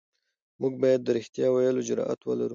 موږ بايد د رښتيا ويلو جرئت ولرو.